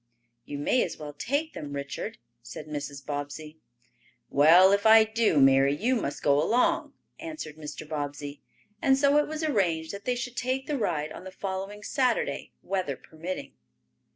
"You may as well take them, Richard," said Mrs. Bobbsey. "Well, if I do, Mary, you must go along," answered Mr. Bobbsey, and so it was arranged that they should take the ride on the following Saturday, weather permitting.